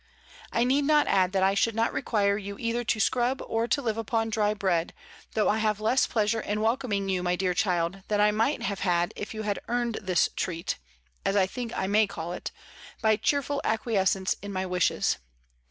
I need not add that I should not require you either to scrub or to live upon dry bread, though I have less pleasure in welcoming you, my dear child, than I might have had if you had earned this 'treat,' as I think I may call it, by cheerful acquiescence in my wishes.